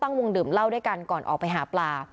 วงดื่มเหล้าด้วยกันก่อนออกไปหาปลา